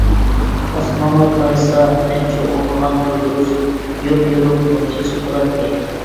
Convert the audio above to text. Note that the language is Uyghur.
ئاسمانغا قارىسا، نەچچە ئونلىغان يۇلتۇز يوپيورۇق نۇر چېچىپ تۇراتتى.